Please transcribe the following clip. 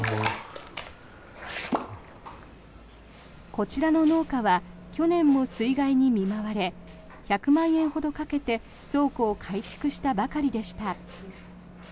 こちらの農家は去年も水害に見舞われ１００万円ほどかけて倉庫を改築したばかりでした。